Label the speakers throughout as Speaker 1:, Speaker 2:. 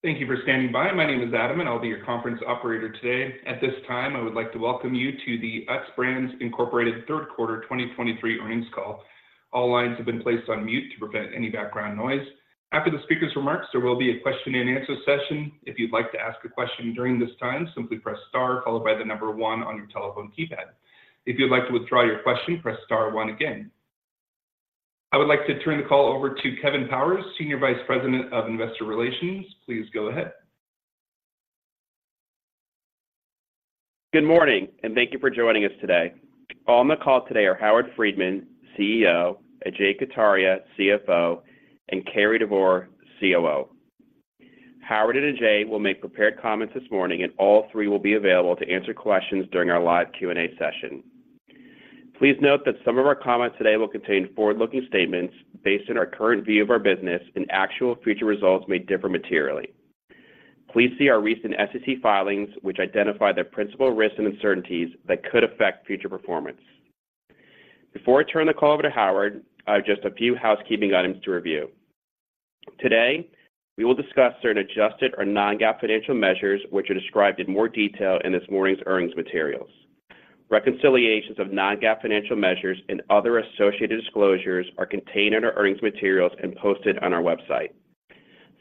Speaker 1: Thank you for standing by. My name is Adam, and I'll be your conference operator today. At this time, I would like to welcome you to the Utz Brands Incorporated third quarter 2023 earnings call. All lines have been placed on mute to prevent any background noise. After the speaker's remarks, there will be a question and answer session. If you'd like to ask a question during this time, simply press star followed by the number 1 on your telephone keypad. If you'd like to withdraw your question, press star 1 again. I would like to turn the call over to Kevin Powers, Senior Vice President of Investor Relations. Please go ahead.
Speaker 2: Good morning, and thank you for joining us today. On the call today are Howard Friedman, CEO, Ajay Kataria, CFO, and Cary Devore, COO. Howard and Ajay will make prepared comments this morning, and all three will be available to answer questions during our live Q&A session. Please note that some of our comments today will contain forward-looking statements based on our current view of our business, and actual future results may differ materially. Please see our recent SEC filings, which identify the principal risks and uncertainties that could affect future performance. Before I turn the call over to Howard, I have just a few housekeeping items to review. Today, we will discuss certain adjusted or non-GAAP financial measures, which are described in more detail in this morning's earnings materials. Reconciliations of non-GAAP financial measures and other associated disclosures are contained in our earnings materials and posted on our website.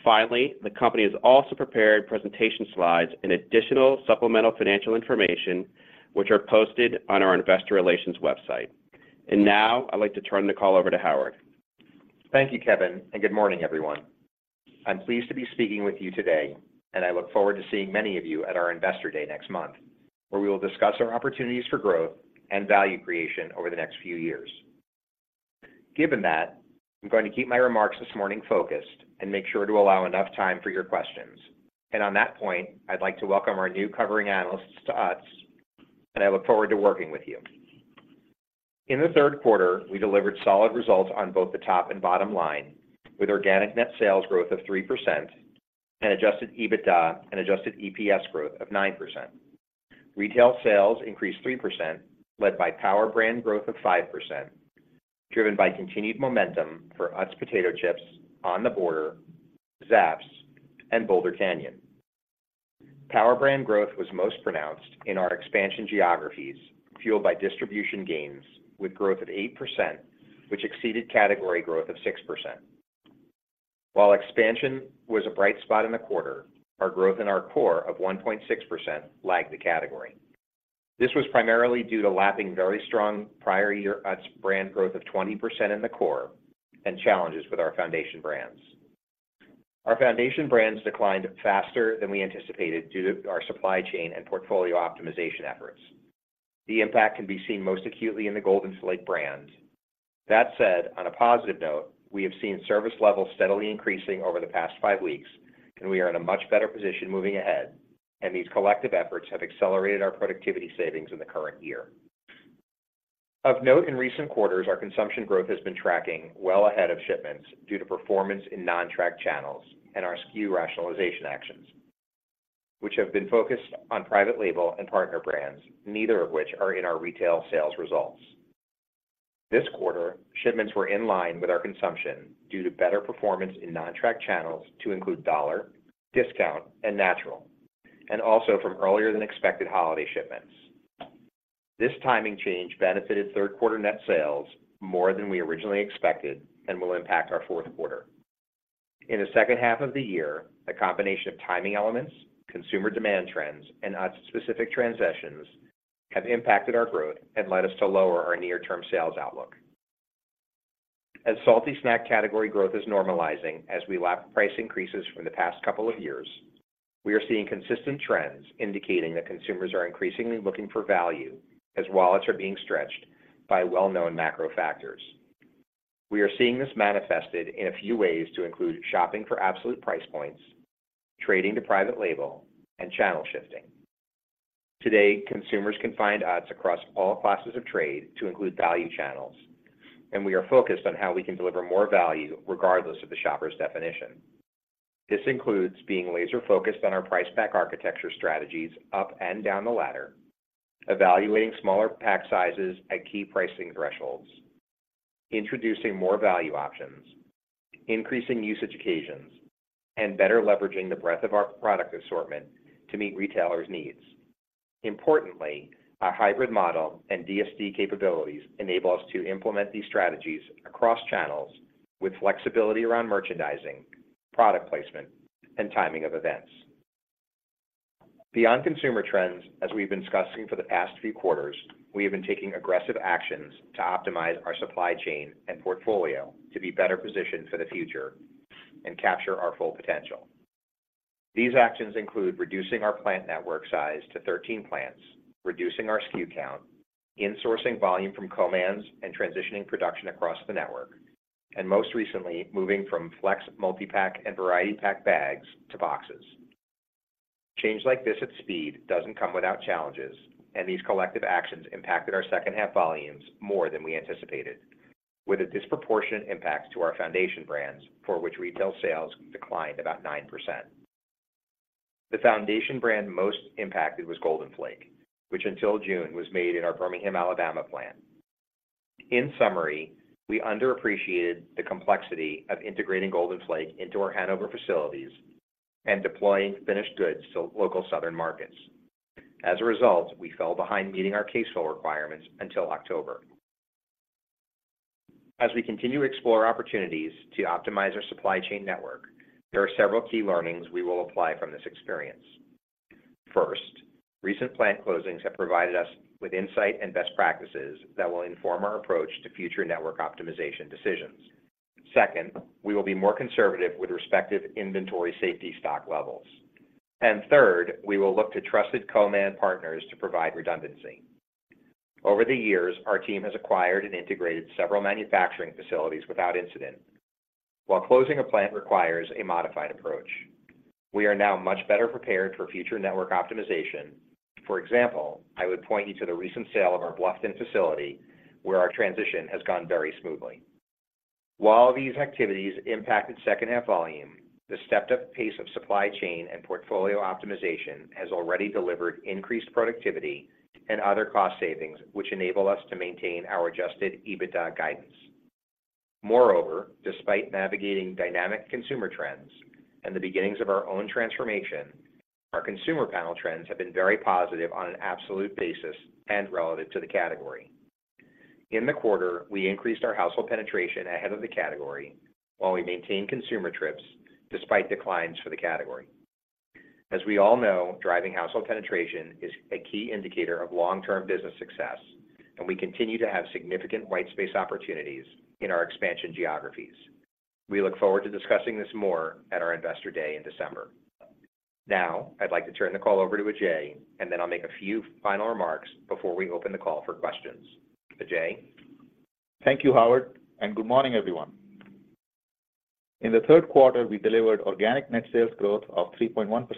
Speaker 2: Finally, the company has also prepared presentation slides and additional supplemental financial information, which are posted on our investor relations website. And now, I'd like to turn the call over to Howard.
Speaker 3: Thank you, Kevin, and good morning, everyone. I'm pleased to be speaking with you today, and I look forward to seeing many of you at our Investor Day next month, where we will discuss our opportunities for growth and value creation over the next few years. Given that, I'm going to keep my remarks this morning focused and make sure to allow enough time for your questions. On that point, I'd like to welcome our new covering analysts to Utz, and I look forward to working with you. In the third quarter, we delivered solid results on both the top and bottom line, with organic net sales growth of 3% and Adjusted EBITDA and Adjusted EPS growth of 9%. Retail sales increased 3%, led by Power Brand growth of 5%, driven by continued momentum for Utz Potato Chips, On The Border, Zapp's, and Boulder Canyon. Power brands growth was most pronounced in our expansion geographies, fueled by distribution gains with growth of 8%, which exceeded category growth of 6%. While expansion was a bright spot in the quarter, our growth in our core of 1.6% lagged the category. This was primarily due to lapping very strong prior year Utz brand growth of 20% in the core and challenges with our Foundation Brands. Our Foundation Brands declined faster than we anticipated due to our supply chain and portfolio optimization efforts. The impact can be seen most acutely in the Golden Flake brand. That said, on a positive note, we have seen service levels steadily increasing over the past five weeks, and we are in a much better position moving ahead, and these collective efforts have accelerated our productivity savings in the current year. Of note, in recent quarters, our consumption growth has been tracking well ahead of shipments due to performance in non-track channels and our SKU rationalization actions, which have been focused on private label and partner brands, neither of which are in our retail sales results. This quarter, shipments were in line with our consumption due to better performance in non-track channels to include dollar, discount, and natural, and also from earlier than expected holiday shipments. This timing change benefited third quarter net sales more than we originally expected and will impact our fourth quarter. In the second half of the year, the combination of timing elements, consumer demand trends, and Utz-specific transitions have impacted our growth and led us to lower our near-term sales outlook. As salty snack category growth is normalizing as we lap price increases from the past couple of years, we are seeing consistent trends indicating that consumers are increasingly looking for value as wallets are being stretched by well-known macro factors. We are seeing this manifested in a few ways to include shopping for absolute price points, trading to private label, and channel shifting. Today, consumers can find Utz across all classes of trade to include value channels, and we are focused on how we can deliver more value regardless of the shopper's definition. This includes being laser-focused on our price pack architecture strategies up and down the ladder, evaluating smaller pack sizes at key pricing thresholds, introducing more value options, increasing usage occasions, and better leveraging the breadth of our product assortment to meet retailers' needs. Importantly, our hybrid model and DSD capabilities enable us to implement these strategies across channels with flexibility around merchandising, product placement, and timing of events. Beyond consumer trends, as we've been discussing for the past few quarters, we have been taking aggressive actions to optimize our supply chain and portfolio to be better positioned for the future and capture our full potential. These actions include reducing our plant network size to 13 plants, reducing our SKU count, insourcing volume from co-mans and transitioning production across the network, and most recently, moving from flex multi-pack and variety pack bags to boxes. Change like this at speed doesn't come without challenges, and these collective actions impacted our second half volumes more than we anticipated, with a disproportionate impact to our Foundation Brands, for which retail sales declined about 9%. The Foundation Brands most impacted was Golden Flake, which, until June, was made in our Birmingham, Alabama plant. In summary, we underappreciated the complexity of integrating Golden Flake into our Hanover facilities and deploying finished goods to local southern markets. As a result, we fell behind meeting our case fill requirements until October. As we continue to explore opportunities to optimize our supply chain network, there are several key learnings we will apply from this experience. First, recent plant closings have provided us with insight and best practices that will inform our approach to future network optimization decisions. Second, we will be more conservative with respective inventory safety stock levels. And third, we will look to trusted co-man partners to provide redundancy. Over the years, our team has acquired and integrated several manufacturing facilities without incident, while closing a plant requires a modified approach. We are now much better prepared for future network optimization. For example, I would point you to the recent sale of our Bluffton facility, where our transition has gone very smoothly. While these activities impacted second half volume, the stepped-up pace of supply chain and portfolio optimization has already delivered increased productivity and other cost savings, which enable us to maintain our Adjusted EBITDA guidance. Moreover, despite navigating dynamic consumer trends and the beginnings of our own transformation, our consumer panel trends have been very positive on an absolute basis and relative to the category. In the quarter, we increased our household penetration ahead of the category, while we maintained consumer trips despite declines for the category. As we all know, driving household penetration is a key indicator of long-term business success, and we continue to have significant white space opportunities in our expansion geographies. We look forward to discussing this more at our Investor Day in December. Now, I'd like to turn the call over to Ajay, and then I'll make a few final remarks before we open the call for questions. Ajay?
Speaker 4: Thank you, Howard, and good morning, everyone. In the third quarter, we delivered organic net sales growth of 3.1%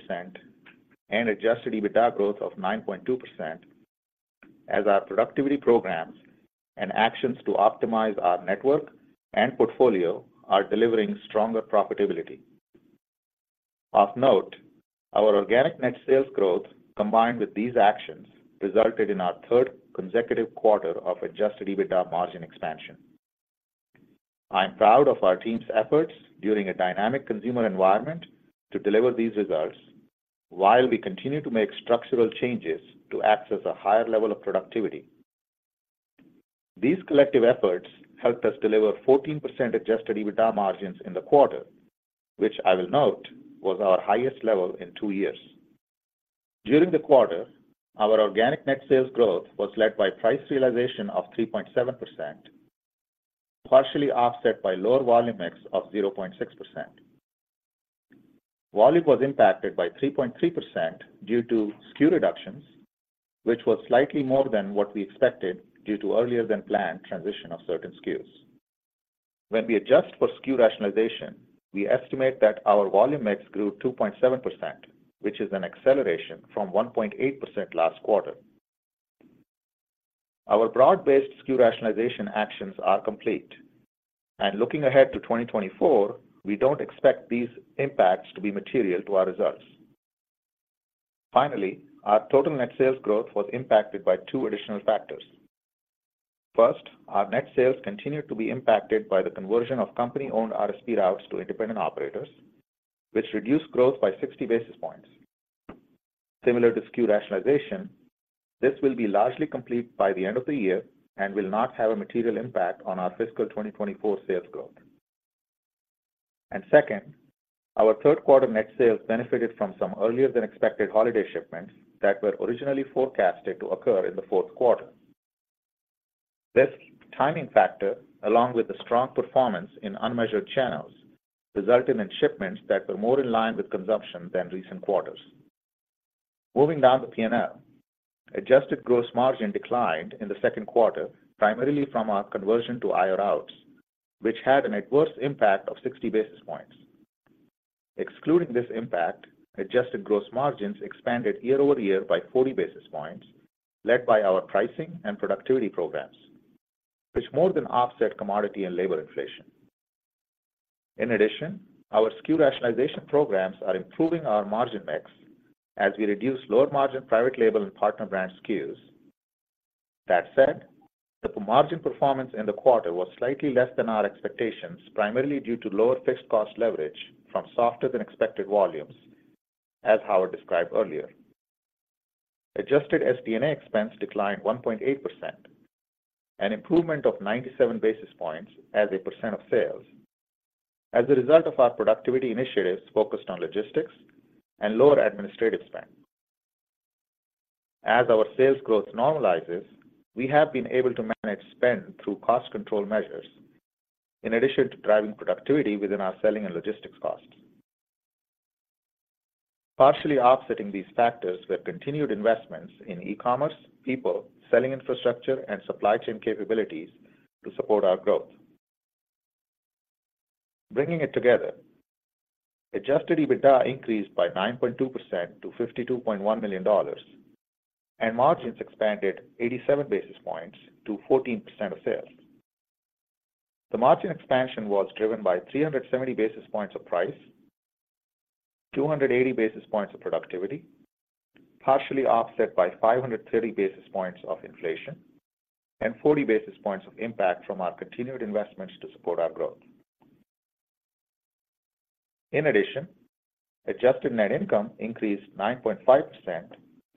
Speaker 4: and adjusted EBITDA growth of 9.2%, as our productivity programs and actions to optimize our network and portfolio are delivering stronger profitability. Of note, our organic net sales growth, combined with these actions, resulted in our third consecutive quarter of adjusted EBITDA margin expansion. I'm proud of our team's efforts during a dynamic consumer environment to deliver these results while we continue to make structural changes to access a higher level of productivity. These collective efforts helped us deliver 14% adjusted EBITDA margins in the quarter, which I will note was our highest level in two years. During the quarter, our organic net sales growth was led by price realization of 3.7%, partially offset by lower volume mix of 0.6%. Volume was impacted by 3.3% due to SKU reductions, which was slightly more than what we expected due to earlier than planned transition of certain SKUs. When we adjust for SKU rationalization, we estimate that our volume mix grew 2.7%, which is an acceleration from 1.8% last quarter. Our broad-based SKU rationalization actions are complete, and looking ahead to 2024, we don't expect these impacts to be material to our results. Finally, our total net sales growth was impacted by two additional factors. First, our net sales continued to be impacted by the conversion of company-owned RSP routes to independent operators, which reduced growth by 60 basis points. Similar to SKU rationalization, this will be largely complete by the end of the year and will not have a material impact on our fiscal 2024 sales growth. And second, our third quarter net sales benefited from some earlier than expected holiday shipments that were originally forecasted to occur in the fourth quarter. This timing factor, along with the strong performance in unmeasured channels, resulted in shipments that were more in line with consumption than recent quarters. Moving down the P&L, adjusted gross margin declined in the second quarter, primarily from our conversion to IR routes, which had an adverse impact of 60 basis points. Excluding this impact, adjusted gross margins expanded year-over-year by 40 basis points, led by our pricing and productivity programs, which more than offset commodity and labor inflation. In addition, our SKU rationalization programs are improving our margin mix as we reduce lower-margin private label and partner brand SKUs. That said, the margin performance in the quarter was slightly less than our expectations, primarily due to lower fixed cost leverage from softer than expected volumes, as Howard described earlier. Adjusted SG&A expense declined 1.8%, an improvement of 97 basis points as a percent of sales as a result of our productivity initiatives focused on logistics and lower administrative spend. As our sales growth normalizes, we have been able to manage spend through cost control measures in addition to driving productivity within our selling and logistics costs. Partially offsetting these factors were continued investments in e-commerce, people, selling infrastructure, and supply chain capabilities to support our growth. Bringing it together, Adjusted EBITDA increased by 9.2% to $52.1 million, and margins expanded 87 basis points to 14% of sales. The margin expansion was driven by 370 basis points of price, 280 basis points of productivity, partially offset by 530 basis points of inflation, and 40 basis points of impact from our continued investments to support our growth. In addition, adjusted net income increased 9.5%,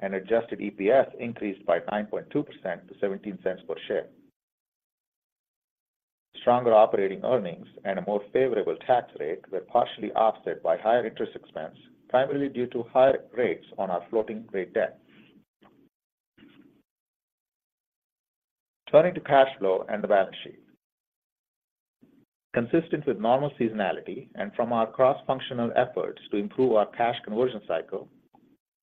Speaker 4: and Adjusted EPS increased by 9.2% to $0.17 per share. Stronger operating earnings and a more favorable tax rate were partially offset by higher interest expense, primarily due to higher rates on our floating rate debt. Turning to cash flow and the balance sheet. Consistent with normal seasonality and from our cross-functional efforts to improve our cash conversion cycle,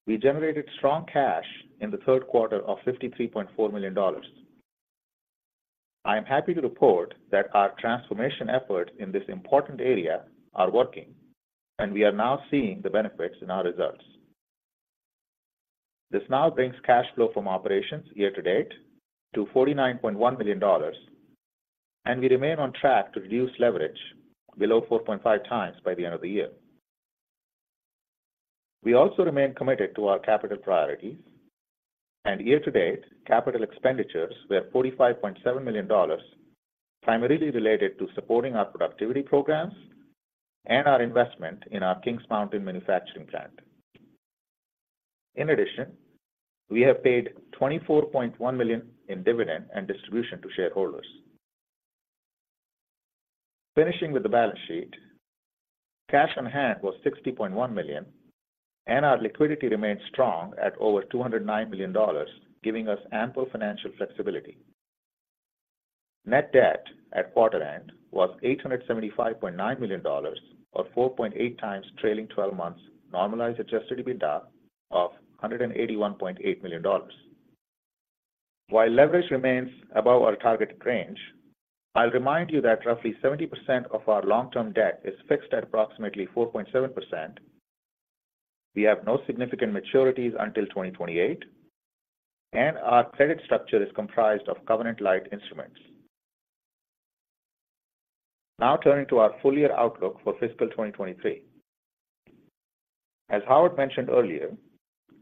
Speaker 4: we generated strong cash in the third quarter of $53.4 million. I am happy to report that our transformation efforts in this important area are working, and we are now seeing the benefits in our results. This now brings cash flow from operations year to date to $49.1 million, and we remain on track to reduce leverage below 4.5x by the end of the year. We also remain committed to our capital priorities, and year to date, capital expenditures were $45.7 million, primarily related to supporting our productivity programs and our investment in our Kings Mountain manufacturing plant. In addition, we have paid $24.1 million in dividend and distribution to shareholders. Finishing with the balance sheet, cash on hand was $60.1 million, and our liquidity remains strong at over $209 million, giving us ample financial flexibility. Net debt at quarter end was $875.9 million, or 4.8x trailing twelve months normalized adjusted EBITDA of $181.8 million. While leverage remains above our target range, I'll remind you that roughly 70% of our long-term debt is fixed at approximately 4.7%. We have no significant maturities until 2028, and our credit structure is comprised of covenant-light instruments. Now turning to our full year outlook for fiscal 2023. As Howard mentioned earlier,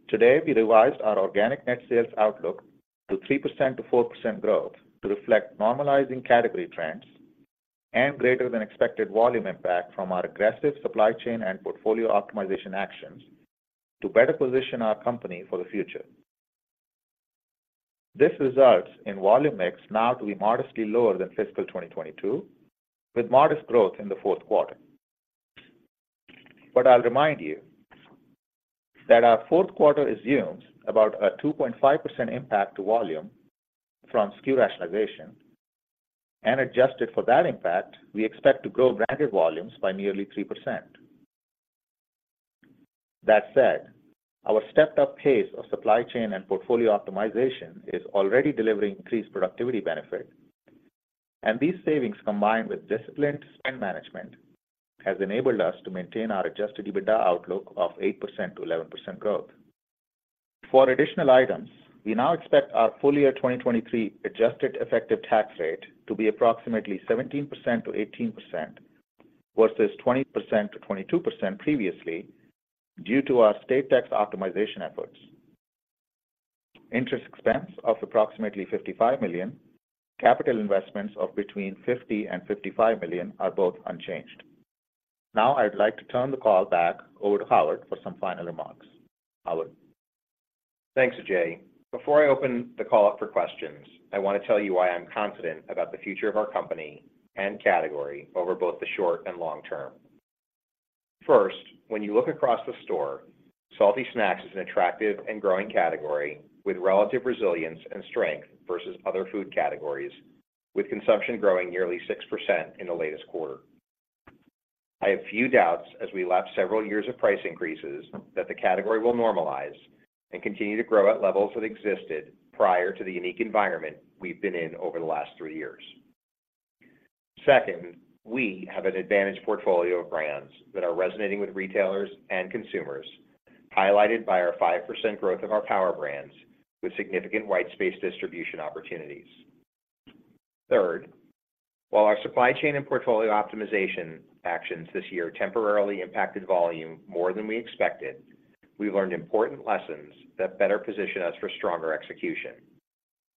Speaker 4: today, we revised our organic net sales outlook to 3%-4% growth to reflect normalizing category trends and greater than expected volume impact from our aggressive supply chain and portfolio optimization actions to better position our company for the future. This results in volume mix now to be modestly lower than fiscal 2022, with modest growth in the fourth quarter. But I'll remind you that our fourth quarter assumes about a 2.5% impact to volume from SKU rationalization, and adjusted for that impact, we expect to grow bracket volumes by nearly 3%. That said, our stepped-up pace of supply chain and portfolio optimization is already delivering increased productivity benefit, and these savings, combined with disciplined spend management, has enabled us to maintain our Adjusted EBITDA outlook of 8%-11% growth. For additional items, we now expect our full year 2023 adjusted effective tax rate to be approximately 17%-18%, versus 20%-22% previously, due to our state tax optimization efforts. Interest expense of approximately $55 million, capital investments of between $50 million-$55 million are both unchanged. Now I'd like to turn the call back over to Howard for some final remarks. Howard?
Speaker 3: Thanks, Ajay. Before I open the call up for questions, I want to tell you why I'm confident about the future of our company and category over both the short and long term. First, when you look across the store, salty snacks is an attractive and growing category with relative resilience and strength versus other food categories, with consumption growing nearly 6% in the latest quarter. I have few doubts as we lap several years of price increases, that the category will normalize and continue to grow at levels that existed prior to the unique environment we've been in over the last three years. Second, we have an advantage portfolio of brands that are resonating with retailers and consumers, highlighted by our 5% growth of our Power Brands with significant white space distribution opportunities. Third, while our supply chain and portfolio optimization actions this year temporarily impacted volume more than we expected, we learned important lessons that better position us for stronger execution.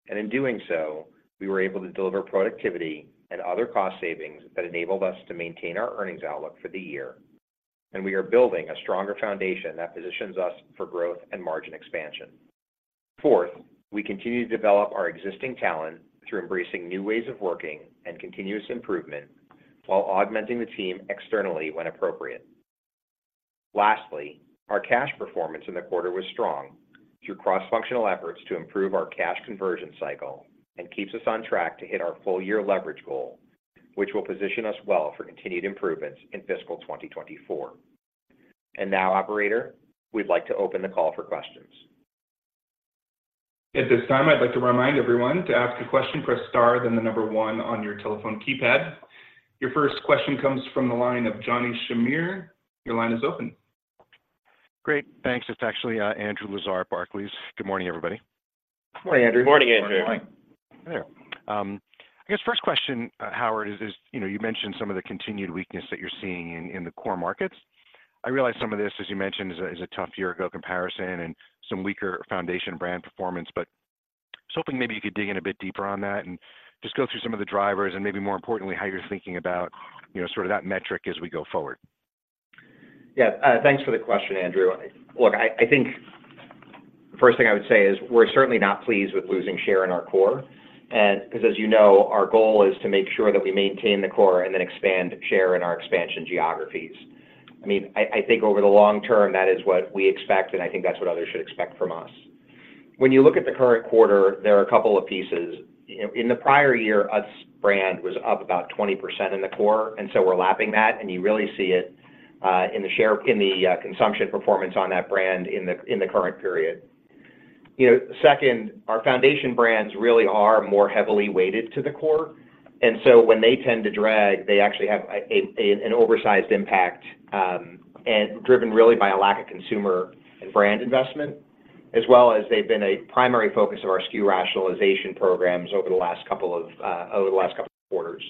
Speaker 3: And in doing so, we were able to deliver productivity and other cost savings that enabled us to maintain our earnings outlook for the year, and we are building a stronger foundation that positions us for growth and margin expansion. Fourth, we continue to develop our existing talent through embracing new ways of working and continuous improvement, while augmenting the team externally when appropriate. Lastly, our cash performance in the quarter was strong through cross-functional efforts to improve our cash conversion cycle and keeps us on track to hit our full year leverage goal, which will position us well for continued improvements in fiscal 2024. And now, operator, we'd like to open the call for questions.
Speaker 1: At this time, I'd like to remind everyone to ask a question, press star, then the number one on your telephone keypad. Your first question comes from the line of Johnny Shamir. Your line is open.
Speaker 5: Great. Thanks. It's actually Andrew Lazar at Barclays. Good morning, everybody....
Speaker 2: Good morning, Andrew.
Speaker 3: Good morning, Andrew.
Speaker 4: Good morning.
Speaker 5: Hi there. I guess first question, Howard, is, you know, you mentioned some of the continued weakness that you're seeing in the core markets. I realize some of this, as you mentioned, is a tough year-ago comparison and some weaker Foundation Brands performance, but I was hoping maybe you could dig in a bit deeper on that and just go through some of the drivers and maybe more importantly, how you're thinking about, you know, sort of that metric as we go forward.
Speaker 3: Yeah. Thanks for the question, Andrew. Look, I think the first thing I would say is, we're certainly not pleased with losing share in our core. And because, as you know, our goal is to make sure that we maintain the core and then expand share in our expansion geographies. I mean, I think over the long term, that is what we expect, and I think that's what others should expect from us. When you look at the current quarter, there are a couple of pieces. You know, in the prior year, Utz brand was up about 20% in the core, and so we're lapping that, and you really see it in the share in the consumption performance on that brand in the current period. You know, second, our Foundation Brands really are more heavily weighted to the core, and so when they tend to drag, they actually have an oversized impact, and driven really by a lack of consumer and brand investment, as well as they've been a primary focus of our SKU rationalization programs over the last couple of over the last couple quarters.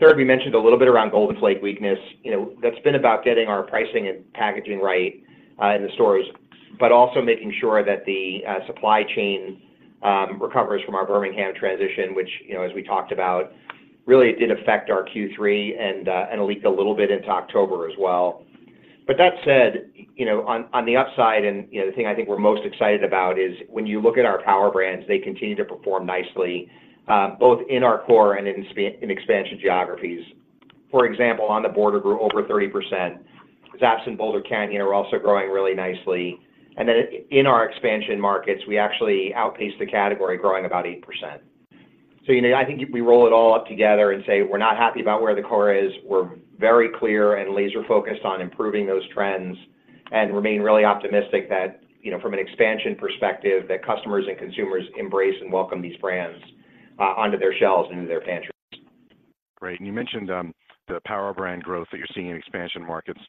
Speaker 3: Third, we mentioned a little bit around Golden Flake weakness. You know, that's been about getting our pricing and packaging right in the stores, but also making sure that the supply chain recovers from our Birmingham transition, which, you know, as we talked about, really it did affect our Q3 and leaked a little bit into October as well. But that said, you know, on, on the upside and, you know, the thing I think we're most excited about is, when you look at our Power Brands, they continue to perform nicely, both in our core and in expansion geographies. For example, On The Border grew over 30%. Zapp's and Boulder Canyon are also growing really nicely. And then in our expansion markets, we actually outpaced the category, growing about 8%. So, you know, I think if we roll it all up together and say, we're not happy about where the core is, we're very clear and laser-focused on improving those trends and remain really optimistic that, you know, from an expansion perspective, that customers and consumers embrace and welcome these brands, onto their shelves and into their pantries.
Speaker 5: Great. And you mentioned the Power Brand growth that you're seeing in expansion markets, which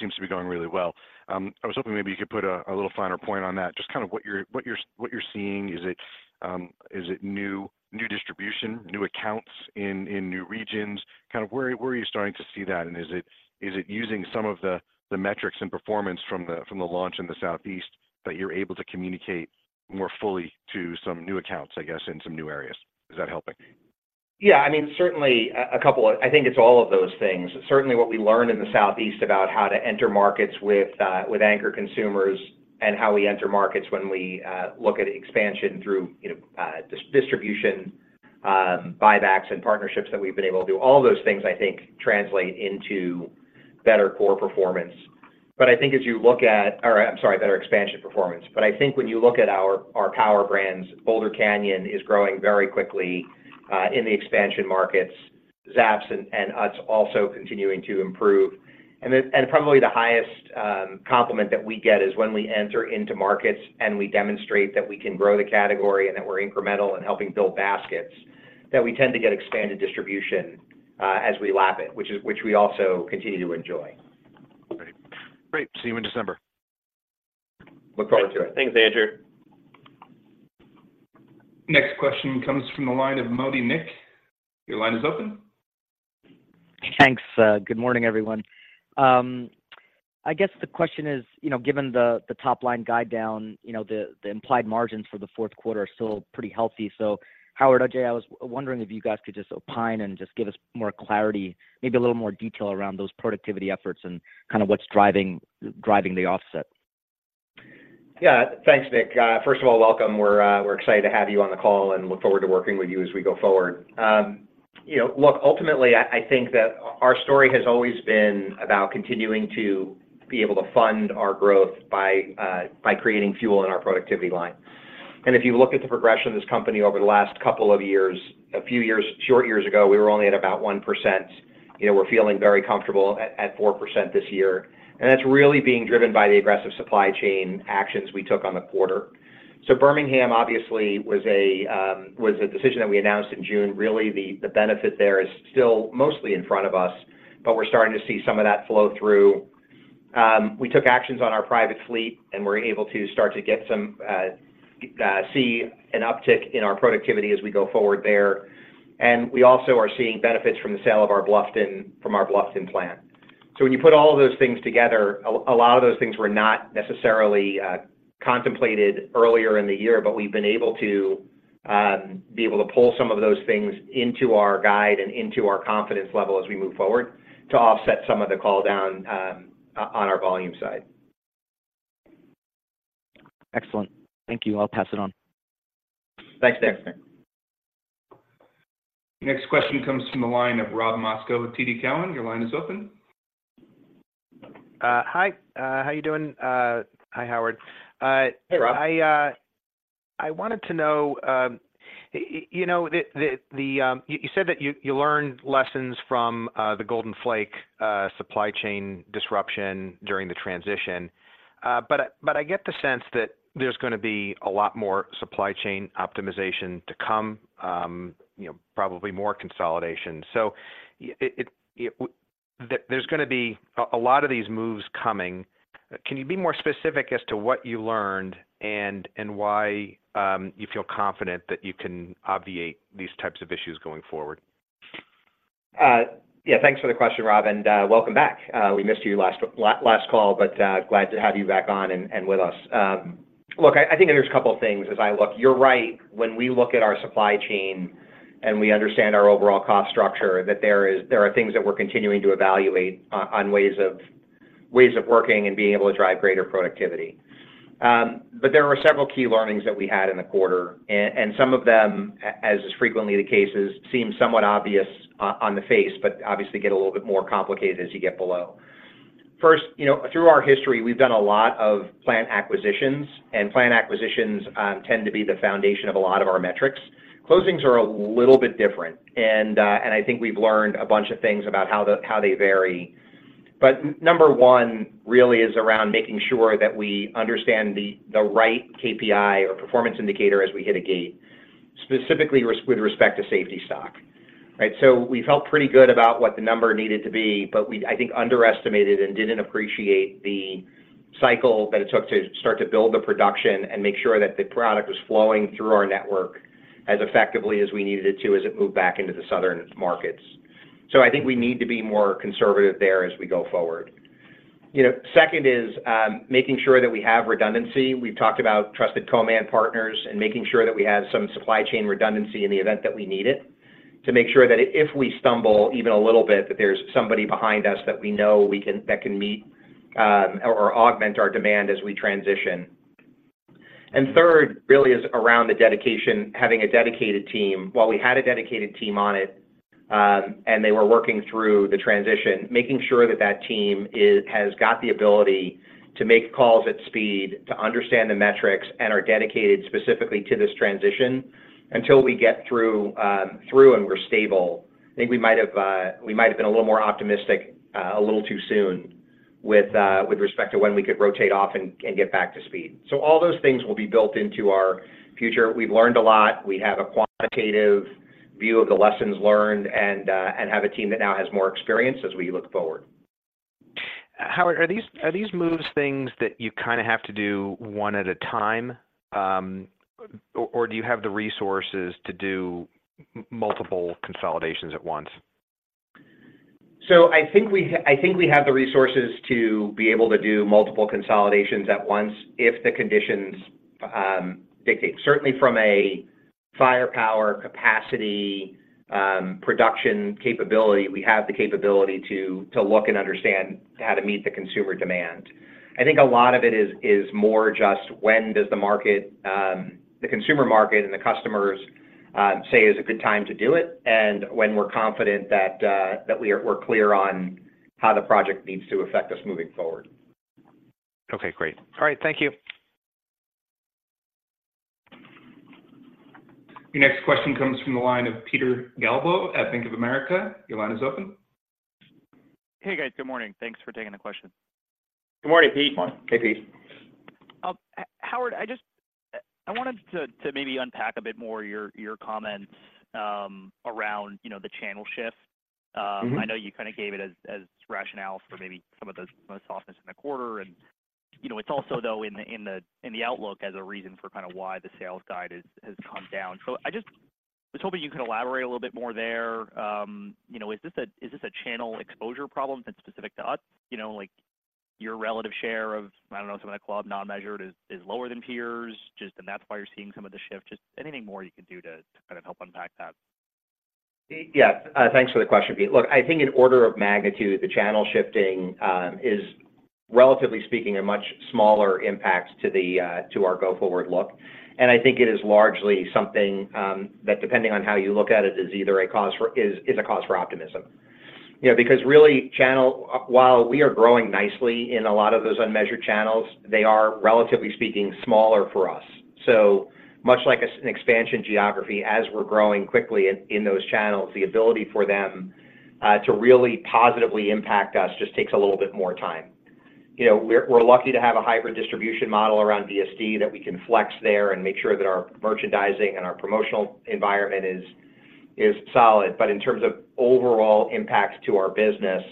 Speaker 5: seems to be going really well. I was hoping maybe you could put a little finer point on that. Just kind of what you're seeing. Is it new distribution, new accounts in new regions? Kind of where are you starting to see that, and is it using some of the metrics and performance from the launch in the Southeast that you're able to communicate more fully to some new accounts, I guess, in some new areas? Is that helping?
Speaker 3: Yeah, I mean, certainly. I think it's all of those things. Certainly, what we learned in the Southeast about how to enter markets with anchor consumers and how we enter markets when we look at expansion through, you know, distribution, buybacks and partnerships that we've been able to do, all those things, I think, translate into better core performance. But I think as you look at. Or I'm sorry, better expansion performance. But I think when you look at our Power Brands, Boulder Canyon is growing very quickly in the expansion markets, Zapp's and Utz also continuing to improve. And probably the highest compliment that we get is when we enter into markets and we demonstrate that we can grow the category and that we're incremental in helping build baskets, that we tend to get expanded distribution, as we lap it, which we also continue to enjoy.
Speaker 5: Great. Great, see you in December.
Speaker 3: Look forward to it. Thanks, Andrew.
Speaker 1: Next question comes from the line of Modi Nik. Your line is open.
Speaker 6: Thanks. Good morning, everyone. I guess the question is, you know, given the top-line guide down, you know, the implied margins for the fourth quarter are still pretty healthy. So Howard, Ajay, I was wondering if you guys could just opine and just give us more clarity, maybe a little more detail around those productivity efforts and kind of what's driving the offset.
Speaker 3: Yeah. Thanks, Nik. First of all, welcome. We're, we're excited to have you on the call and look forward to working with you as we go forward. You know, look, ultimately, I, I think that our story has always been about continuing to be able to fund our growth by, by creating fuel in our productivity line. And if you look at the progression of this company over the last couple of years, a few years, short years ago, we were only at about 1%. You know, we're feeling very comfortable at, at 4% this year, and that's really being driven by the aggressive supply chain actions we took on the quarter. So Birmingham, obviously, was a decision that we announced in June. Really, the benefit there is still mostly in front of us, but we're starting to see some of that flow through. We took actions on our private fleet, and we're able to start to get some, see an uptick in our productivity as we go forward there. We also are seeing benefits from the sale of our Bluffton plant. When you put all of those things together, a lot of those things were not necessarily contemplated earlier in the year, but we've been able to be able to pull some of those things into our guide and into our confidence level as we move forward to offset some of the call down on our volume side.
Speaker 6: Excellent. Thank you. I'll pass it on.
Speaker 3: Thanks, Nik.
Speaker 1: Next question comes from the line of Rob Moskow with TD Cowen. Your line is open.
Speaker 7: Hi, how you doing? Hi, Howard.
Speaker 3: Hey, Rob.
Speaker 7: I wanted to know, you know, you said that you learned lessons from the Golden Flake supply chain disruption during the transition. But I get the sense that there's gonna be a lot more supply chain optimization to come, you know, probably more consolidation. So that there's gonna be a lot of these moves coming. Can you be more specific as to what you learned and why you feel confident that you can obviate these types of issues going forward?
Speaker 3: Yeah, thanks for the question, Rob, and welcome back. We missed you last call, but glad to have you back on and with us. Look, I think there's a couple of things as I look. You're right, when we look at our supply chain and we understand our overall cost structure, that there are things that we're continuing to evaluate on ways of working and being able to drive greater productivity. But there are several key learnings that we had in the quarter, and some of them, as is frequently the case, seem somewhat obvious on the face, but obviously get a little bit more complicated as you get below. First, you know, through our history, we've done a lot of plant acquisitions, and plant acquisitions tend to be the foundation of a lot of our metrics. Closings are a little bit different, and I think we've learned a bunch of things about how they vary. But number one really is around making sure that we understand the right KPI or performance indicator as we hit a gate, specifically with respect to safety stock, right? So we felt pretty good about what the number needed to be, but we, I think, underestimated and didn't appreciate the cycle that it took to start to build the production and make sure that the product was flowing through our network as effectively as we needed it to, as it moved back into the southern markets. So I think we need to be more conservative there as we go forward. You know, second is making sure that we have redundancy. We've talked about trusted co-man partners and making sure that we have some supply chain redundancy in the event that we need it, to make sure that if we stumble even a little bit, that there's somebody behind us that we know we can-- that can meet, or augment our demand as we transition. And third, really is around the dedication, having a dedicated team. While we had a dedicated team on it, and they were working through the transition, making sure that that team is-- has got the ability to make calls at speed, to understand the metrics, and are dedicated specifically to this transition until we get through, and we're stable. I think we might have been a little more optimistic, a little too soon with respect to when we could rotate off and get back to speed. So all those things will be built into our future. We've learned a lot. We have a quantitative view of the lessons learned and have a team that now has more experience as we look forward.
Speaker 7: Howard, are these moves things that you kind of have to do one at a time, or do you have the resources to do multiple consolidations at once?
Speaker 3: So I think we have the resources to be able to do multiple consolidations at once if the conditions dictate. Certainly from a firepower, capacity, production capability, we have the capability to look and understand how to meet the consumer demand. I think a lot of it is more just when does the market, the consumer market and the customers say is a good time to do it, and when we're confident that we're clear on how the project needs to affect us moving forward.
Speaker 7: Okay, great. All right. Thank you.
Speaker 1: Your next question comes from the line of Peter Galbo at Bank of America. Your line is open.
Speaker 8: Hey, guys. Good morning. Thanks for taking the question.
Speaker 3: Good morning, Pete.
Speaker 8: Morning.
Speaker 4: Hey, Pete.
Speaker 8: Howard, I just wanted to maybe unpack a bit more your comments around, you know, the channel shift.
Speaker 3: Mm-hmm.
Speaker 8: I know you kind of gave it as rationale for maybe some of the softness in the quarter, and you know, it's also though in the outlook as a reason for kind of why the sales guide has come down. So I just was hoping you could elaborate a little bit more there. You know, is this a channel exposure problem that's specific to us? You know, like, your relative share of, I don't know, some of the club non-measured is lower than peers, just and that's why you're seeing some of the shift. Just anything more you could do to kind of help unpack that?
Speaker 3: Yeah. Thanks for the question, Pete. Look, I think in order of magnitude, the channel shifting is, relatively speaking, a much smaller impact to our go-forward look. And I think it is largely something that depending on how you look at it, is either a cause for is a cause for optimism. You know, because really channel while we are growing nicely in a lot of those unmeasured channels, they are, relatively speaking, smaller for us. So much like as an expansion geography, as we're growing quickly in those channels, the ability for them to really positively impact us just takes a little bit more time. You know, we're lucky to have a hybrid distribution model around DSD that we can flex there and make sure that our merchandising and our promotional environment is solid. But in terms of overall impacts to our business,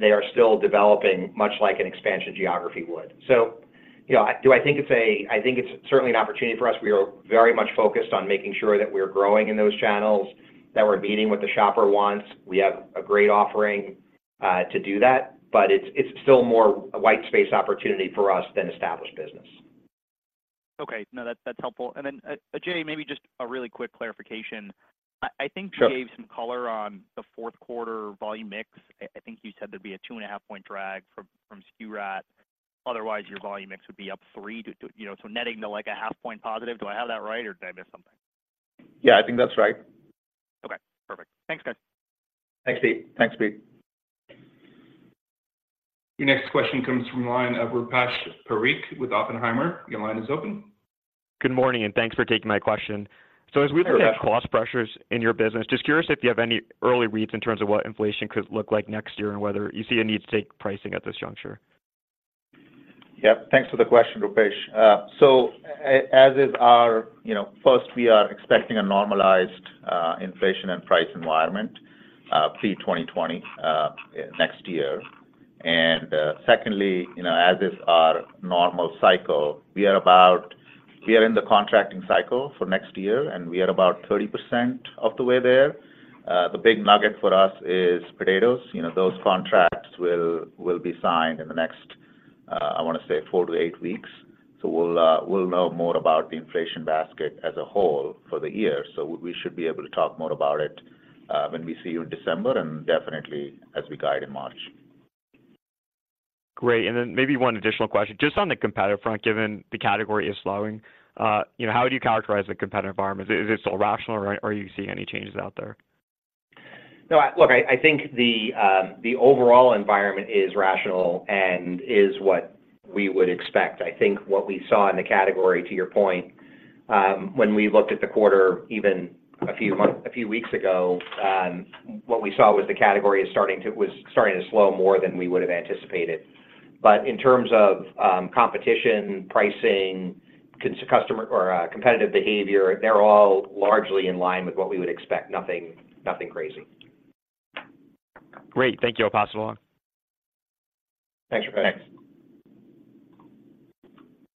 Speaker 3: they are still developing much like an expansion geography would. So, you know, do I think it's—I think it's certainly an opportunity for us. We are very much focused on making sure that we're growing in those channels, that we're meeting what the shopper wants. We have a great offering, to do that, but it's, it's still more a white space opportunity for us than established business.
Speaker 8: Okay. No, that's, that's helpful. And then, Ajay, maybe just a really quick clarification.
Speaker 4: Sure.
Speaker 8: I think you gave some color on the fourth quarter volume mix. I think you said there'd be a 2.5-point drag from SKU rationalization. Otherwise, your volume mix would be up three to... You know, so netting to, like, a 0.5-point positive. Do I have that right, or did I miss something?
Speaker 4: Yeah, I think that's right.
Speaker 8: Okay, perfect. Thanks, guys.
Speaker 3: Thanks, Pete.
Speaker 4: Thanks, Pete.
Speaker 1: Your next question comes from the line of Rupesh Parikh with Oppenheimer. Your line is open.
Speaker 9: Good morning, and thanks for taking my question. So as we look at cost pressures in your business, just curious if you have any early reads in terms of what inflation could look like next year and whether you see a need to take pricing at this juncture?
Speaker 4: Yep, thanks for the question, Rupesh. So as is our, you know, first, we are expecting a normalized inflation and price environment pre-2020 next year. And secondly, you know, as is our normal cycle, we are in the contracting cycle for next year, and we are about 30% of the way there. The big nugget for us is potatoes. You know, those contracts will be signed in the next, I wanna say, four to eight weeks. So we'll know more about the inflation basket as a whole for the year. So we should be able to talk more about it when we see you in December and definitely as we guide in March.
Speaker 9: Great. And then maybe one additional question, just on the competitive front, given the category is slowing, you know, how would you characterize the competitive environment? Is it, is it still rational, or, are you seeing any changes out there?
Speaker 3: No, I-- look, I, I think the overall environment is rational and is what we would expect. I think what we saw in the category, to your point, when we looked at the quarter, even a few months-- a few weeks ago, what we saw was the category is starting to was starting to slow more than we would have anticipated. But in terms of, competition, pricing, customer or competitive behavior, they're all largely in line with what we would expect. Nothing, nothing crazy.
Speaker 9: Great. Thank you, I'll pass it on.
Speaker 3: Thanks, Rupesh.
Speaker 1: Thanks.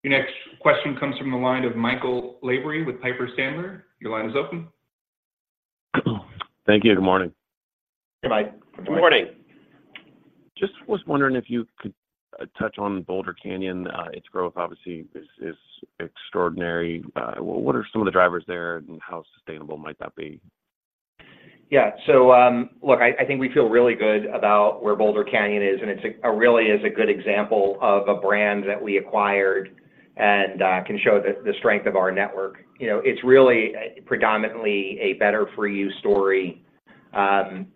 Speaker 1: Your next question comes from the line of Michael Lavery with Piper Sandler. Your line is open.
Speaker 10: Thank you. Good morning.
Speaker 4: Hey, Mike.
Speaker 3: Good morning.
Speaker 10: Just was wondering if you could touch on Boulder Canyon. Its growth obviously is extraordinary. What are some of the drivers there, and how sustainable might that be?
Speaker 3: Yeah. So, look, I think we feel really good about where Boulder Canyon is, and it's really a good example of a brand that we acquired and can show the strength of our network. You know, it's really predominantly a better-for-you story,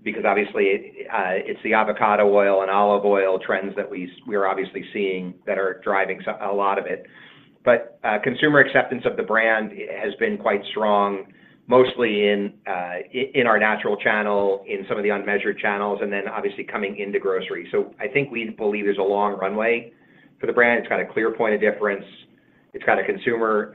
Speaker 3: because obviously, it's the avocado oil and olive oil trends that we are obviously seeing that are driving so a lot of it. But, consumer acceptance of the brand has been quite strong, mostly in our natural channel, in some of the unmeasured channels, and then obviously coming into grocery. So I think we believe there's a long runway for the brand. It's got a clear point of difference. It's got a consumer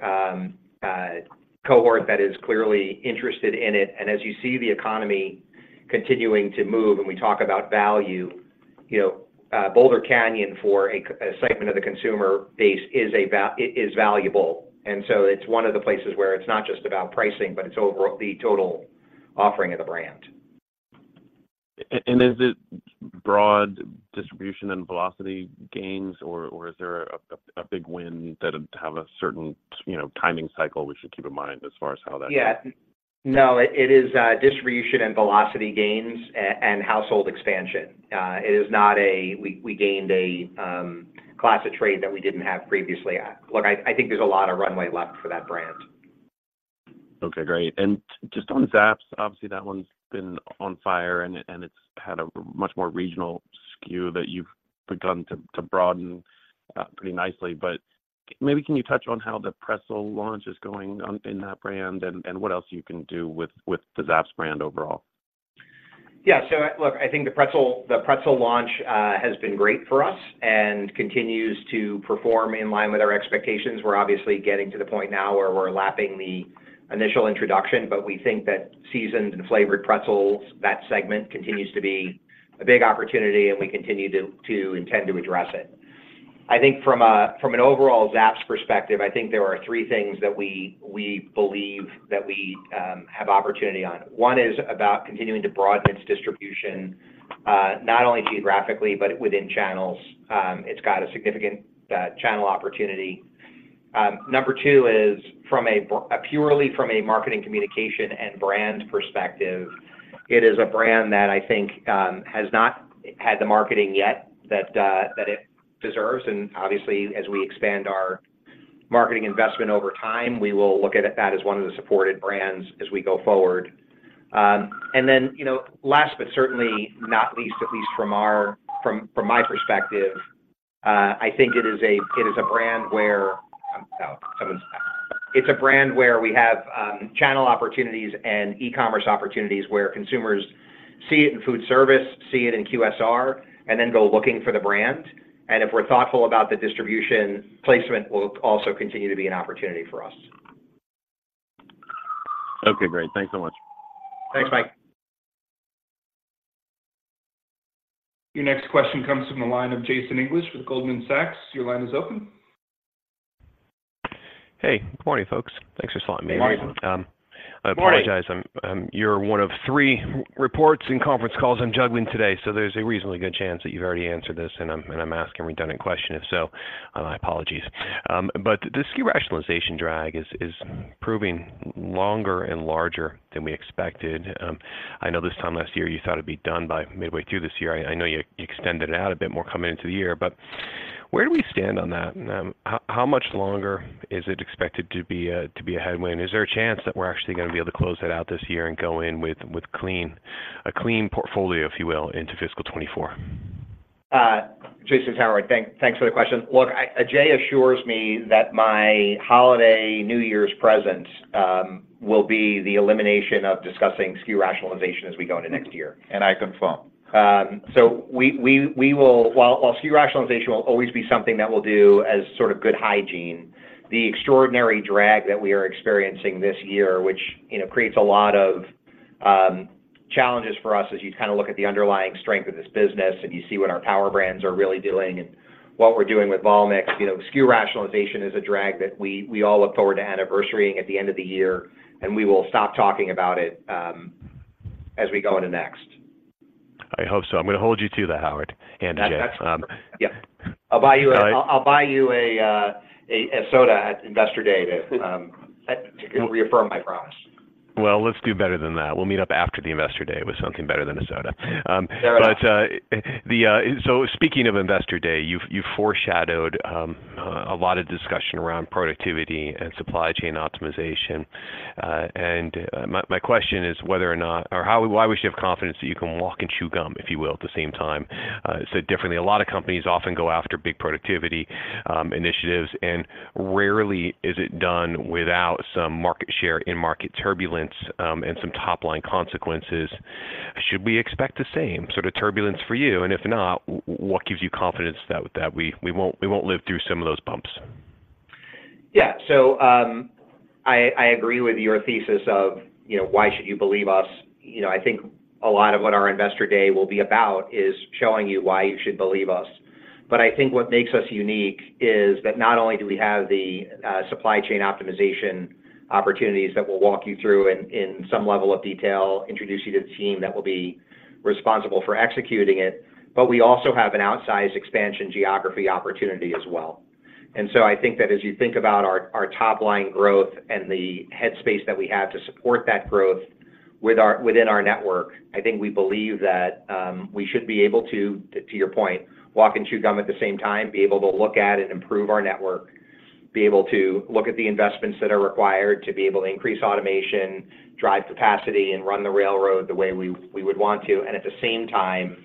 Speaker 3: cohort that is clearly interested in it. As you see the economy continuing to move, and we talk about value, you know, Boulder Canyon, for a segment of the consumer base, it is valuable. So it's one of the places where it's not just about pricing, but it's over the total offering of the brand.
Speaker 10: And is it broad distribution and velocity gains, or is there a big win that'd have a certain, you know, timing cycle we should keep in mind as far as how that-
Speaker 3: Yeah. No, it is distribution and velocity gains and household expansion. It is not. We gained a class of trade that we didn't have previously. Look, I think there's a lot of runway left for that brand.
Speaker 10: Okay, great. And just on Zapp's, obviously, that one's been on fire, and it, and it's had a much more regional skew that you've begun to, to broaden pretty nicely. But maybe can you touch on how the pretzel launch is going on in that brand and, and what else you can do with, with the Zapp's brand overall?
Speaker 3: Yeah. So, look, I think the pretzel, the pretzel launch, has been great for us and continues to perform in line with our expectations. We're obviously getting to the point now where we're lapping the initial introduction, but we think that seasoned and flavored pretzels, that segment, continues to be a big opportunity, and we continue to intend to address it. I think from an overall Zapp's perspective, I think there are three things that we believe that we have opportunity on. One is about continuing to broaden its distribution, not only geographically, but within channels. It's got a significant channel opportunity. Number two is, purely from a marketing, communication, and brand perspective, it is a brand that I think has not had the marketing yet that it deserves. Obviously, as we expand our marketing investment over time, we will look at that as one of the supported brands as we go forward. And then, you know, last but certainly not least, at least from our perspective, I think it is a brand where we have channel opportunities and e-commerce opportunities, where consumers see it in food service, see it in QSR, and then go looking for the brand. And if we're thoughtful about the distribution, placement will also continue to be an opportunity for us.
Speaker 10: Okay, great. Thanks so much.
Speaker 3: Thanks, Mike.
Speaker 1: Your next question comes from the line of Jason English with Goldman Sachs. Your line is open.
Speaker 11: Hey, good morning, folks. Thanks for letting me in.
Speaker 4: Good morning.
Speaker 11: I apologize.
Speaker 3: Good morning.
Speaker 11: You're one of three reports and conference calls I'm juggling today, so there's a reasonably good chance that you've already answered this, and I'm asking a redundant question. If so, my apologies. But the SKU Rationalization drag is proving longer and larger than we expected. I know this time last year, you thought it'd be done by midway through this year. I know you extended it out a bit more coming into the year, but where do we stand on that? How much longer is it expected to be a headwind? Is there a chance that we're actually gonna be able to close that out this year and go in with a clean portfolio, if you will, into fiscal 2024?
Speaker 3: Jason, it's Howard. Thanks for the question. Look, Ajay assures me that my holiday New Year's present will be the elimination of discussing SKU rationalization as we go into next year.
Speaker 4: I confirm.
Speaker 3: So we will, while SKU rationalization will always be something that we'll do as sort of good hygiene, the extraordinary drag that we are experiencing this year, which you know creates a lot of challenges for us as you kind of look at the underlying strength of this business, and you see what our Power Brands are really doing and what we're doing with Volmix. You know, SKU rationalization is a drag that we all look forward to anniversarying at the end of the year, and we will stop talking about it as we go into next.
Speaker 11: I hope so. I'm gonna hold you to that, Howard and Ajay.
Speaker 3: That's. Yeah. I'll buy you a-
Speaker 11: All right.
Speaker 3: I'll buy you a soda at Investor Day to reaffirm my promise.
Speaker 11: Well, let's do better than that. We'll meet up after the Investor Day with something better than a soda.
Speaker 3: Fair enough.
Speaker 11: So speaking of Investor Day, you've foreshadowed a lot of discussion around productivity and supply chain optimization. And my question is whether or not—or how, why we should have confidence that you can walk and chew gum, if you will, at the same time? So definitely a lot of companies often go after big productivity initiatives, and rarely is it done without some market share and market turbulence, and some top-line consequences. Should we expect the same sort of turbulence for you? And if not, what gives you confidence that we won't live through some of those bumps?
Speaker 3: Yeah. So, I agree with your thesis of, you know, why should you believe us? You know, I think a lot of what our Investor Day will be about is showing you why you should believe us. But I think what makes us unique is that not only do we have the supply chain optimization opportunities that we'll walk you through in some level of detail, introduce you to the team that will be responsible for executing it, but we also have an outsized expansion geography opportunity as well. And so I think that as you think about our top-line growth and the headspace that we have to support that growth within our network, I think we believe that, to your point, we should be able to walk and chew gum at the same time, be able to look at and improve our network. Be able to look at the investments that are required to be able to increase automation, drive capacity, and run the railroad the way we would want to, and at the same time,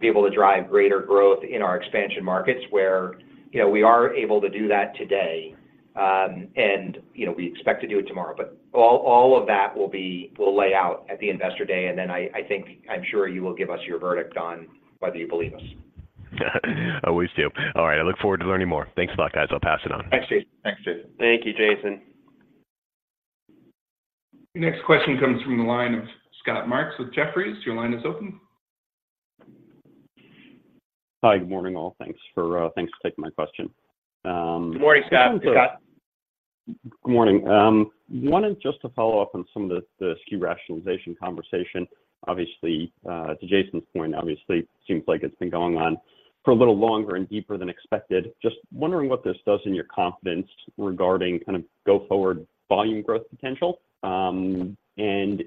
Speaker 3: be able to drive greater growth in our expansion markets where, you know, we are able to do that today, and, you know, we expect to do it tomorrow. But all, all of that we'll lay out at the Investor Day, and then I, I think I'm sure you will give us your verdict on whether you believe us.
Speaker 11: I always do. All right, I look forward to learning more. Thanks a lot, guys. I'll pass it on.
Speaker 4: Thanks, Jason.
Speaker 3: Thank you, Jason.
Speaker 1: Next question comes from the line of Scott Martz with Jefferies. Your line is open.
Speaker 12: Hi, good morning, all. Thanks for taking my question.
Speaker 3: Good morning, Scott.
Speaker 2: Hey, Scott.
Speaker 12: Good morning. Wanted just to follow up on some of the SKU rationalization conversation. Obviously, to Jason's point, obviously, it seems like it's been going on for a little longer and deeper than expected. Just wondering what this does in your confidence regarding kind of go forward volume growth potential. And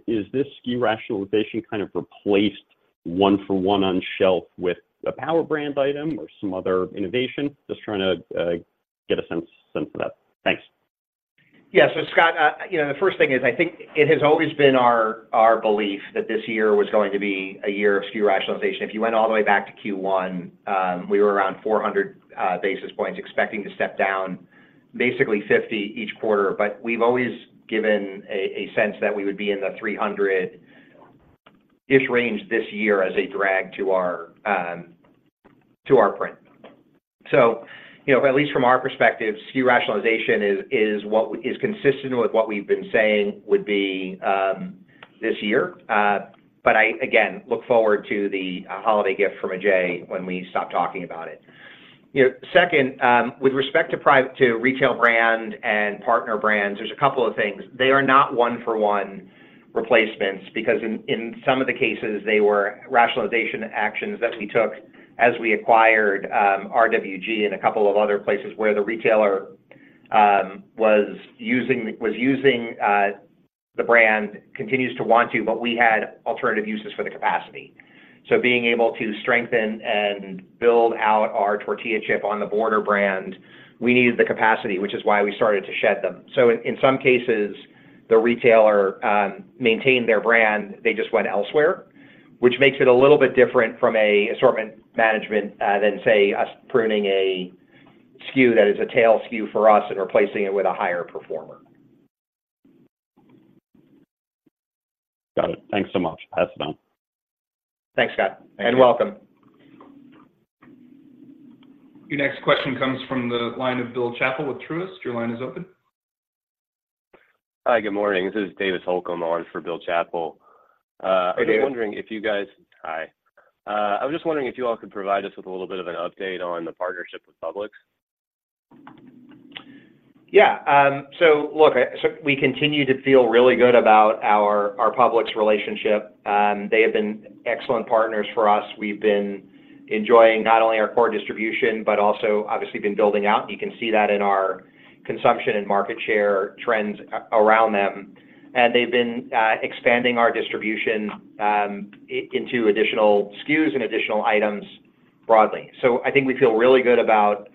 Speaker 12: is this SKU rationalization kind of replaced one for one on shelf with a Power Brand item or some other innovation? Just trying to get a sense of that. Thanks.
Speaker 3: Yeah. So, Scott, you know, the first thing is, I think it has always been our, our belief that this year was going to be a year of SKU rationalization. If you went all the way back to Q1, we were around 400 basis points, expecting to step down basically 50 each quarter. But we've always given a, a sense that we would be in the 300-ish range this year as a drag to our, to our print. So, you know, at least from our perspective, SKU rationalization is, is what-- is consistent with what we've been saying would be, this year. But I, again, look forward to the, holiday gift from Ajay when we stop talking about it. You know, second, with respect to pri-- to retail brand and partner brands, there's a couple of things. They are not one for one replacements, because in some of the cases, they were rationalization actions that we took as we acquired RWG and a couple of other places where the retailer was using the brand, continues to want to, but we had alternative uses for the capacity. So being able to strengthen and build out our tortilla chip On the Border brand, we needed the capacity, which is why we started to shed them. So in some cases, the retailer maintained their brand, they just went elsewhere, which makes it a little bit different from a assortment management than, say, us pruning a SKU that is a tail SKU for us and replacing it with a higher performer.
Speaker 12: Got it. Thanks so much. Pass it on.
Speaker 3: Thanks, Scott.
Speaker 12: Thank you.
Speaker 3: And welcome.
Speaker 1: Your next question comes from the line of Bill Chappell with Truist. Your line is open.
Speaker 13: Hi, good morning. This is David Holcomb on for Bill Chappell.
Speaker 3: Hi, David.
Speaker 13: Hi. I was just wondering if you all could provide us with a little bit of an update on the partnership with Publix.
Speaker 3: Yeah, so look, so we continue to feel really good about our, our Publix relationship. They have been excellent partners for us. We've been enjoying not only our core distribution, but also obviously been building out, and you can see that in our consumption and market share trends around them. And they've been expanding our distribution into additional SKUs and additional items broadly. So I think we feel really good about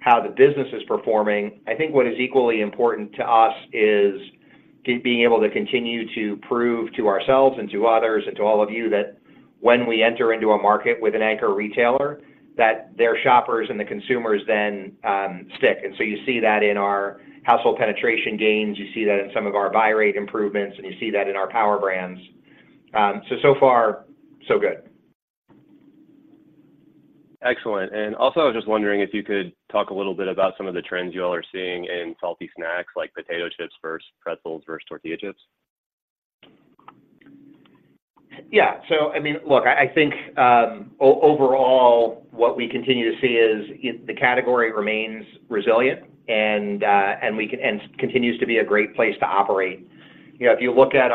Speaker 3: how the business is performing. I think what is equally important to us is key being able to continue to prove to ourselves and to others and to all of you that when we enter into a market with an anchor retailer, that their shoppers and the consumers then stick. And so you see that in our household penetration gains, you see that in some of our buy rate improvements, and you see that in our Power Brands. So far, so good.
Speaker 13: Excellent. Also, I was just wondering if you could talk a little bit about some of the trends you all are seeing in salty snacks, like potato chips versus pretzels versus tortilla chips?
Speaker 3: Yeah. So, I mean, look, I think overall, what we continue to see is the category remains resilient, and continues to be a great place to operate. You know, if you look at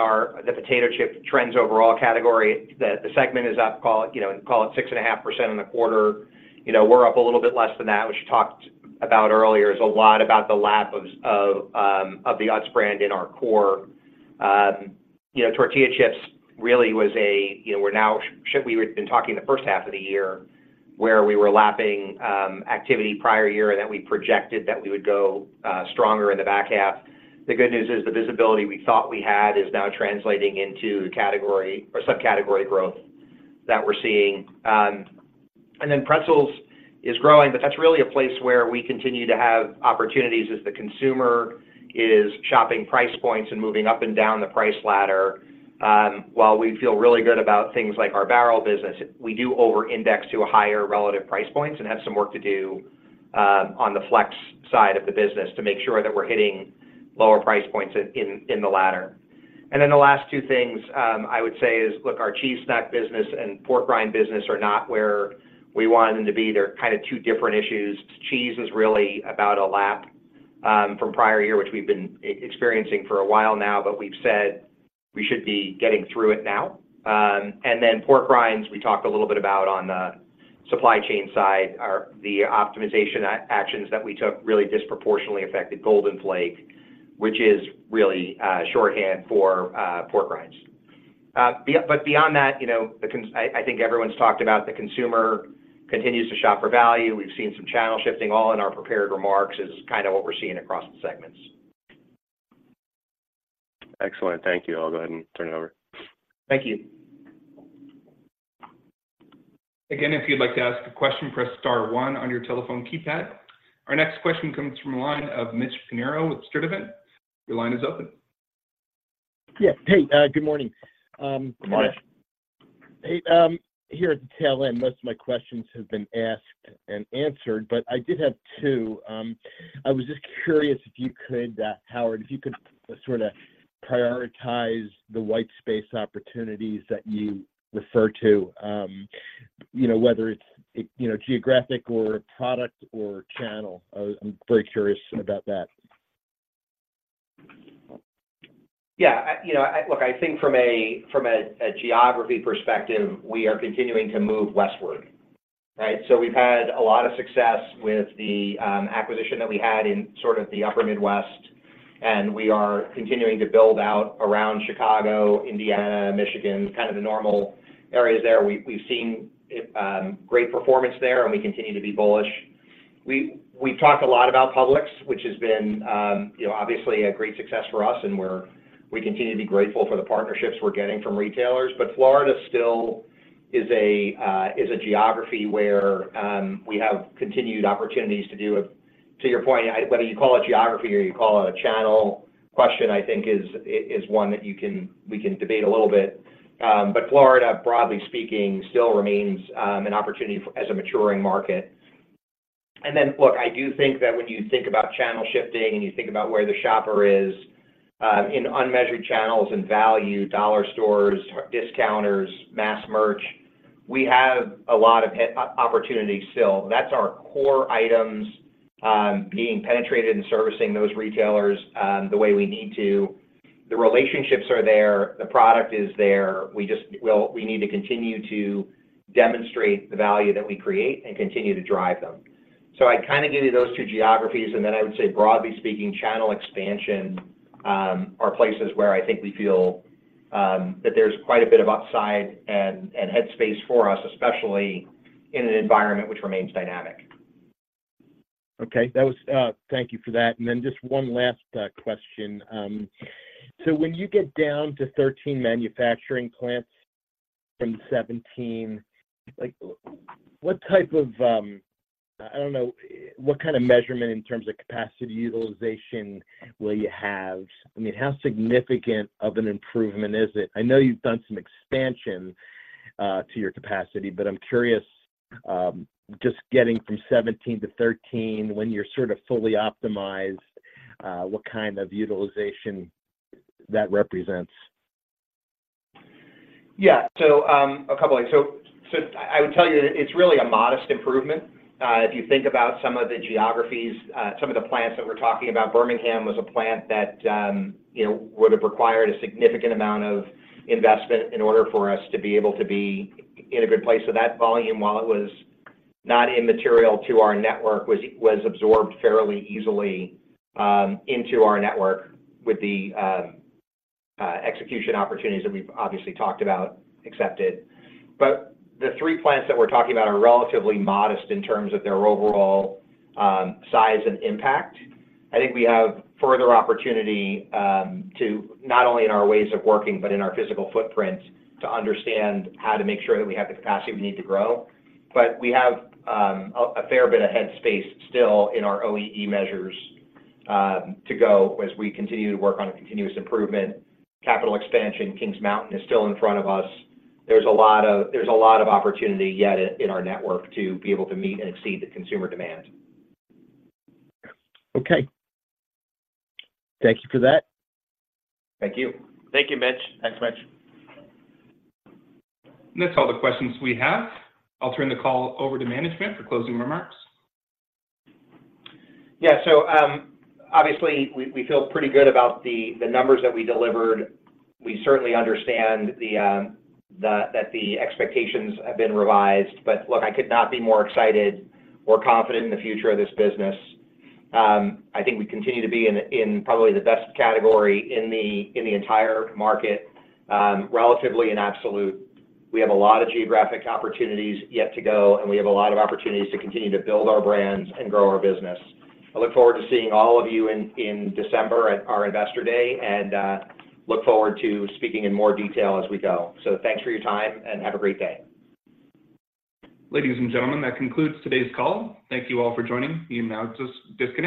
Speaker 3: the potato chip trends overall category, the segment is up, call it, you know, call it 6.5% in the quarter. You know, we're up a little bit less than that, which we talked about earlier, is a lot about the lap of the Utz brand in our core. You know, tortilla chips really was a, you know, we've been talking the first half of the year, where we were lapping activity prior year, and then we projected that we would go stronger in the back half. The good news is the visibility we thought we had is now translating into category or subcategory growth that we're seeing. And then pretzels is growing, but that's really a place where we continue to have opportunities as the consumer is shopping price points and moving up and down the price ladder. While we feel really good about things like our barrel business, we do over-index to a higher relative price points and have some work to do on the flex side of the business to make sure that we're hitting lower price points in the ladder. And then the last two things I would say is, look, our cheese snack business and pork rind business are not where we want them to be. They're kind of two different issues. Cheese is really about a lag from prior year, which we've been experiencing for a while now, but we've said we should be getting through it now. And then pork rinds, we talked a little bit about on the supply chain side, our optimization actions that we took really disproportionately affected Golden Flake, which is really shorthand for pork rinds. But beyond that, you know, the consumer, I think everyone's talked about, continues to shop for value. We've seen some channel shifting; all in our prepared remarks is kind of what we're seeing across the segments.
Speaker 13: Excellent. Thank you. I'll go ahead and turn it over.
Speaker 3: Thank you.
Speaker 1: Again, if you'd like to ask a question, press star one on your telephone keypad. Our next question comes from the line of Mitch Pinheiro with Sturdivant. Your line is open.
Speaker 14: Yeah. Hey, good morning.
Speaker 3: Good morning.
Speaker 14: Hey, here at the tail end, most of my questions have been asked and answered, but I did have two. I was just curious if you could, Howard, if you could sort of prioritize the white space opportunities that you refer to, you know, whether it's, you know, geographic or product or channel. I'm very curious about that.
Speaker 3: Yeah, you know, look, I think from a geography perspective, we are continuing to move westward, right? So we've had a lot of success with the acquisition that we had in sort of the upper Midwest, and we are continuing to build out around Chicago, Indiana, Michigan, kind of the normal areas there. We've seen great performance there, and we continue to be bullish. We've talked a lot about Publix, which has been, you know, obviously a great success for us, and we continue to be grateful for the partnerships we're getting from retailers. But Florida still is a geography where we have continued opportunities to do. To your point, whether you call it geography or you call it a channel, question, I think is one that you can, we can debate a little bit. But Florida, broadly speaking, still remains an opportunity as a maturing market. And then, look, I do think that when you think about channel shifting and you think about where the shopper is in unmeasured channels and value, dollar stores, discounters, mass merch, we have a lot of opportunities still. That's our core items being penetrated and servicing those retailers the way we need to. The relationships are there, the product is there. We just, well, we need to continue to demonstrate the value that we create and continue to drive them. So I kind of give you those two geographies, and then I would say, broadly speaking, channel expansion are places where I think we feel that there's quite a bit of upside and head space for us, especially in an environment which remains dynamic.
Speaker 14: Okay. That was. Thank you for that. And then just one last question. So when you get down to 13 manufacturing plants from 17, like, what type of, I don't know, what kind of measurement in terms of capacity utilization will you have? I mean, how significant of an improvement is it? I know you've done some expansion to your capacity, but I'm curious, just getting from 17 to 13, when you're sort of fully optimized, what kind of utilization that represents?
Speaker 3: Yeah. So, I would tell you that it's really a modest improvement. If you think about some of the geographies, some of the plants that we're talking about, Birmingham was a plant that, you know, would have required a significant amount of investment in order for us to be able to be in a good place. So that volume, while it was not immaterial to our network, was absorbed fairly easily into our network with the execution opportunities that we've obviously talked about accepted. But the three plants that we're talking about are relatively modest in terms of their overall size and impact. I think we have further opportunity, to not only in our ways of working but in our physical footprint, to understand how to make sure that we have the capacity we need to grow. But we have, a fair bit of head space still in our OEE measures, to go as we continue to work on a continuous improvement. Capital expansion, Kings Mountain, is still in front of us. There's a lot of, there's a lot of opportunity yet in, in our network to be able to meet and exceed the consumer demand.
Speaker 14: Okay. Thank you for that.
Speaker 3: Thank you. Thank you, Mitch.
Speaker 2: Thanks, Mitch.
Speaker 1: That's all the questions we have. I'll turn the call over to management for closing remarks.
Speaker 3: Yeah. So, obviously, we feel pretty good about the numbers that we delivered. We certainly understand that the expectations have been revised, but look, I could not be more excited or confident in the future of this business. I think we continue to be in probably the best category in the entire market, relatively and absolute. We have a lot of geographic opportunities yet to go, and we have a lot of opportunities to continue to build our brands and grow our business. I look forward to seeing all of you in December at our Investor Day, and look forward to speaking in more detail as we go. So thanks for your time, and have a great day.
Speaker 1: Ladies and gentlemen, that concludes today's call. Thank you all for joining. You may now disconnect.